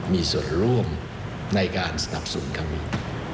มีส่วนร่วมในการสนับสนุนครั้งนี้